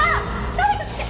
誰か来て！